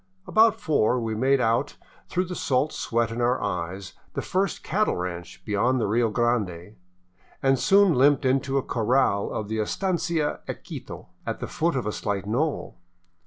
About four, we made out through the salt sweat in our eyes the first cattle ranch beyond the Rio Grande, and soon limped into the corral of the " Estancia Equito," at the foot of a slight knoll.